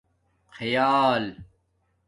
خیال